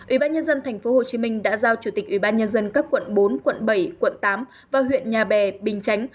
ủy ban nhân dân tp hcm đã giao chủ tịch ủy ban nhân dân các quận bốn quận bảy quận tám và huyện nhà bè bình chánh